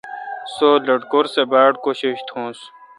سو لٹکور سہ باڑ کوشش تھنوس۔